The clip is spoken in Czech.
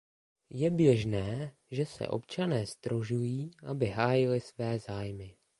Je běžné, že se občané sdružují, aby hájili své zájmy.